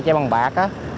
che bằng bạc